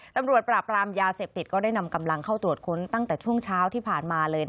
ตำรวจปราบรามยาเสพติดก็ได้นำกำลังเข้าตรวจค้นตั้งแต่ช่วงเช้าที่ผ่านมาเลย